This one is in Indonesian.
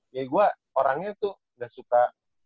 ya gua orangnya tuh ga suka